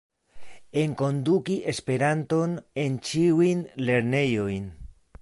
Enkonduki Esperanton en ĉiujn lernejojn.